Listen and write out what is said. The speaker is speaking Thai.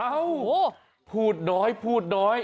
เอ้าพูดน้อย